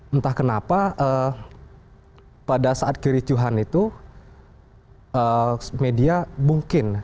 entah kenapa pada saat kericuhan itu media mungkin